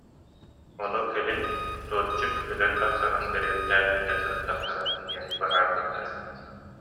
Ону кэлин «Зотчик өлөн тахсарын бэриэттээн этэ сырыттахтара» диэн быһаарбыттара